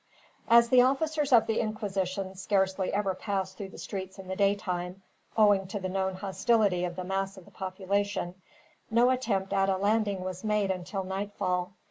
As the officers of the Inquisition scarcely ever pass through the streets in the daytime, owing to the known hostility of the mass of the population, no attempt at a landing was made, until nightfall.